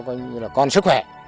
coi như là con sức khỏe